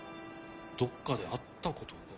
どっかで会ったことが。